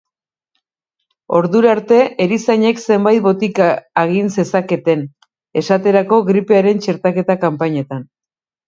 Ordura arte, erizainek zenbait botika agin zezaketen, esaterako, gripearen txertaketa-kanpainetan.